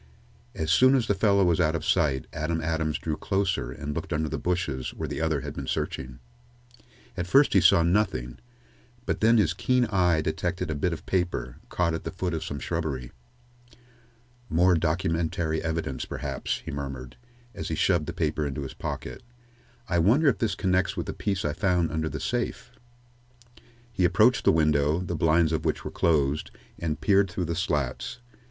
As soon as the fellow was ought of sight, Adam Adams drew closer and looked under the bushes where the other had been searching. At first he saw nothing, but then his keen eye detected a bit of paper, caught at the foot of some shrubbery. "More documentary evidence, perhaps," he murmured, as he shoved the paper into his pocket. "I wonder if this connects with the piece I found under the safe?" He approached the window, the blinds of which were closed, and peered through the slats.